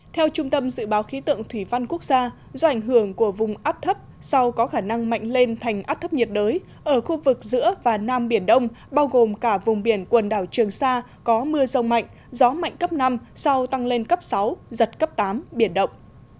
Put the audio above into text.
theo trung tâm dự báo khí tượng thủy văn quốc gia do ảnh hưởng của vùng áp thấp sau có khả năng mạnh lên thành áp thấp nhiệt đới ở khu vực giữa và nam biển đông bao gồm cả vùng biển quần đảo trường sa có mưa rông mạnh gió mạnh cấp năm sau tăng lên cấp sáu giật cấp tám biển động